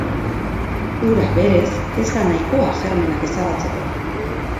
Ura, berez, ez da nahikoa germenak ezabatzeko.